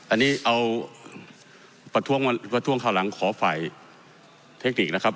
อันนี้เอาประท้วงคราวหลังขอฝ่ายเทคนิคนะครับ